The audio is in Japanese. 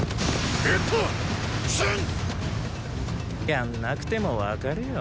やんなくても分かるよ。